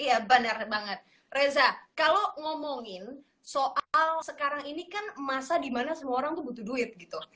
iya benar banget reza kalau ngomongin soal sekarang ini kan masa dimana semua orang tuh butuh duit gitu